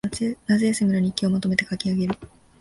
夏休みの日記をまとめて書きあげる